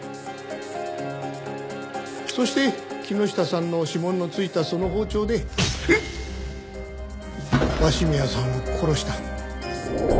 そして木下さんの指紋のついたその包丁で鷲宮さんを殺した。